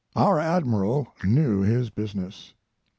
Our admiral knew his business.